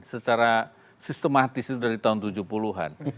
secara sistematis itu dari tahun tujuh puluh an